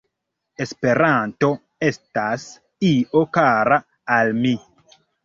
“Esperanto estas io kara al mi.